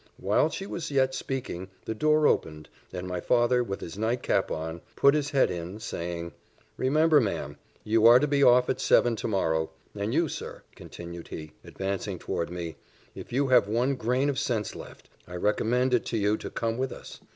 While she was yet speaking, the door opened, and my father, with his nightcap on, put his head in, saying, "Remember, ma'am, you are to be off at seven to morrow and you sir," continued he, advancing towards me, "if you have one grain of sense left, I recommend it to you to come with us.